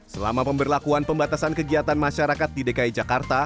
selama pemberlakuan pembatasan kegiatan masyarakat di dki jakarta